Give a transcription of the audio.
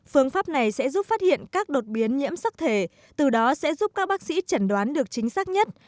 phương pháp này sẽ giúp phát hiện các đột biến nhiễm sắc thể từ đó sẽ giúp các bác sĩ chẩn đoán được chính xác nhất